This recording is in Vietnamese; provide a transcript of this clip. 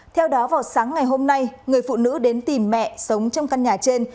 theo đó vào sáng ngày hôm nay người phụ nữ đến tìm mẹ sống trong căn nhà trên